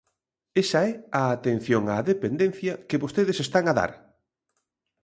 Esa é a atención á dependencia que vostedes están a dar.